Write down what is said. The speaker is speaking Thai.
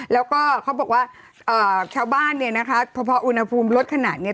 แล้วก็เขาบอกว่าชาวบ้านเนี่ยนะคะพออุณหภูมิลดขนาดนี้